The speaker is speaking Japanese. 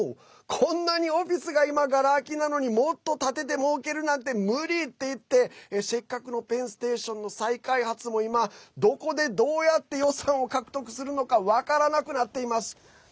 こんなにオフィスが今、がら空きなのにもっと建てて、もうけるなんて無理って言ってせっかくのペンステーションの再開発も今どこでどうやって予算を獲得するのか分からなくなっています。